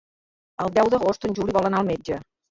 El deu d'agost en Juli vol anar al metge.